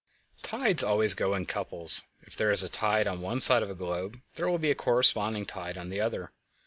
Tides always go in couples; if there is a tide on one side of a globe there will be a corresponding tide on the other side.